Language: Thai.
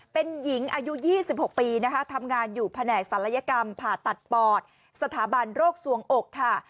เป็นหญิงอายุ๒๖ปีนะคะทำงานอยู่แผนกศัลยกรรมผ่าตัดปอดสถาบันโรคสวงอกค่ะ